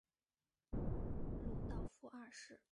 鲁道夫二世。